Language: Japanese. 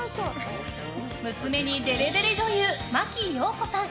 娘にデレデレ女優真木よう子さん。